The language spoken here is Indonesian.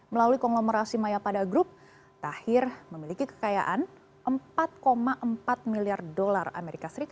melalui konglomerasi maya pada group tahir memiliki kekayaan empat empat miliar dolar as